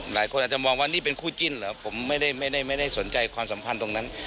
หลายคนอาจจะมองว่านี่เป็นคู่จิ้นเหรอผมไม่ได้สนใจความสัมพันธ์ตรงนั้น